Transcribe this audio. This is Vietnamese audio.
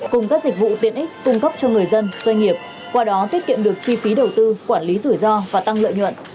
cùng các dịch vụ tiện ích cung cấp cho người dân doanh nghiệp qua đó tiết kiệm được chi phí đầu tư quản lý rủi ro và tăng lợi nhuận